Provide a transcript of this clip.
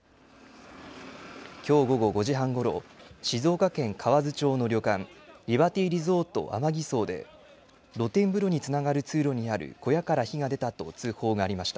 きょう午後５時半ごろ、静岡県河津町の旅館、リバティリゾートＡＭＡＧＩＳＯで、露天風呂につながる通路にある小屋から火が出たと通報がありました。